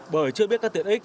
bởi chưa biết các tiện ích